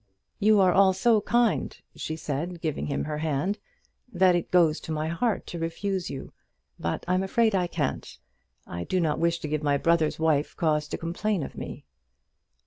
"You are all so kind," she said, giving him her hand, "that it goes to my heart to refuse you; but I'm afraid I can't. I do not wish to give my brother's wife cause to complain of me."